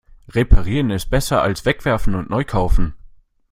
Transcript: Reparieren ist besser als wegwerfen und neu kaufen.